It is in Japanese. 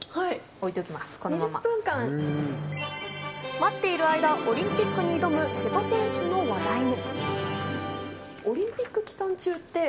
待っている間、オリンピックに挑む瀬戸選手の話題に。